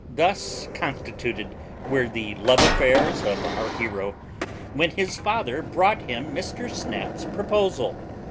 Thus constituted were the love affairs of our hero, when his father brought him Mr. Snap's proposal.